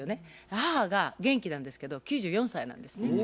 母が元気なんですけど９４歳なんですね。